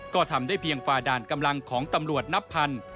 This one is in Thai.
ก็ทำได้เพียงฝ่าด่านกำลังของตำรวจนับพัน